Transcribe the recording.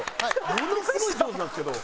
ものすごい上手なんですけど。